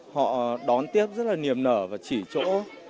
họ đón tiếp rất là niềm nở và chỉ chỗ